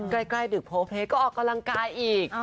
ใกล้ดึกโพเพลย์ก็ออกกำลังกายอีก